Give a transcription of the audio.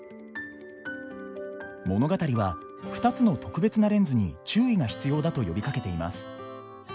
物語は２つの特別なレンズに注意が必要だと呼びかけています。